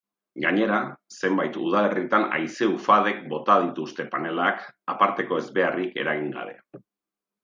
Gainera, zenbait udalerritan haize-ufadek bota dituzte panelak, aparteko ezbeharrik eragin gabe.